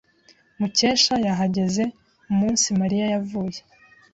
Mukesha yahageze umunsi Mariya yavuye.